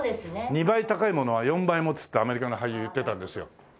２倍高いものは４倍持つってアメリカの俳優言ってたんですよ。